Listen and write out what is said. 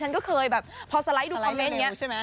ฉันก็เคยแบบพอสไลด์ดูคอมเมนต์เนี่ย